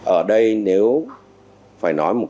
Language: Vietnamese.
ở đây nếu phải nói một cái